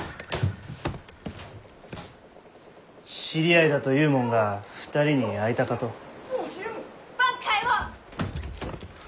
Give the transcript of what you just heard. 知り合いだという者が２人に会いたかと。